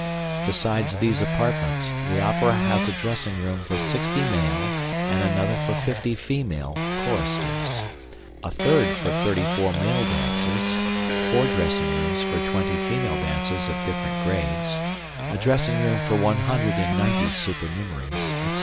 Besides these apartments, the Opera has a dressing room for sixty male, and another for fifty female choristers; a third for thirty four male dancers; four dressing rooms for twenty female dancers of different grades; a dressing room for one hundred and ninety supernumeraries, etc."